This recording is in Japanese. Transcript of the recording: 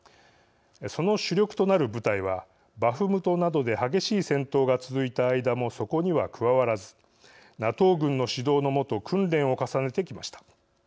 その主力となる部隊はバフムトなどで激しい戦闘が続いた間もそこには加わらずＮＡＴＯ軍の指導の下訓練を重ねてきました。